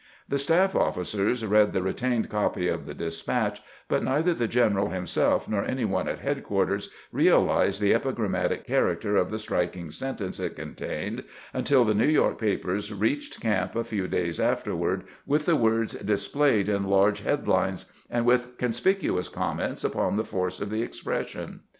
The staff officers read the re tained copy of the despatch, but neither the general himself nor any one at headquarters realized the epi grammatic character of the striking sentence it con tained until the New York papers reached camp a few days afterward with the words displayed in large head lines, and with conspicuous comments upon the force of the expression.